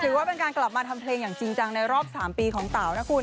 ถือว่าเป็นการกลับมาทำเพลงอย่างจริงจังในรอบ๓ปีของเต๋านะคุณ